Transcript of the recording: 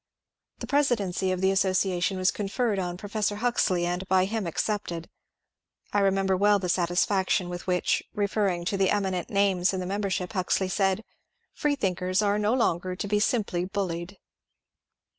The presidency of the association was conferred on Pro fessor Huxley, and by him accepted. I remember well the satisfaction with which, referring to the eminent names in the membership, Huxley said, " Freethinkers are no longer to be simply buUied."